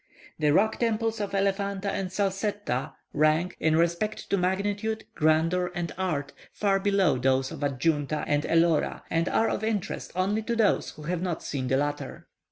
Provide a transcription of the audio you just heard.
The rock temples of Elephanta and Salsetta rank, in respect to magnitude, grandeur, and art, far below those of Adjunta and Elora, and are of interest only to those who have not seen the latter.